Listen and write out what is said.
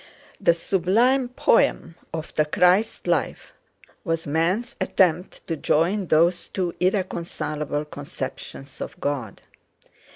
The sublime poem of the Christ life was man's attempt to join those two irreconcilable conceptions of God.